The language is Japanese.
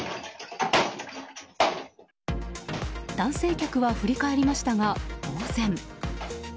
男性客は振り返りましたがぼうぜん。